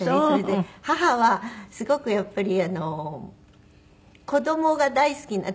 それで母はすごくやっぱり子どもが大好き。